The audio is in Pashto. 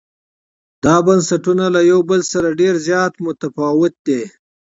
دا بنسټونه له یو بل سره ډېر زیات متفاوت دي.